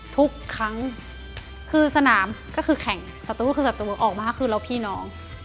ทุกครั้งคือสนามก็คือแข่งศัตรูก็คือศัตรูออกมาคือแล้วพี่น้อง